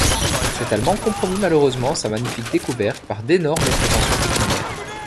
cet Allemand compromit malheureusement sa magnifique découverte par d’énormes prétentions pécuniaires.